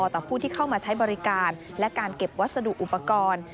ต่อผู้ที่เข้ามาใช้บริการและการเก็บวัสดุอุปกรณ์